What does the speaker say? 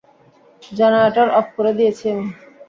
Generator off করে দিয়েছি আমি!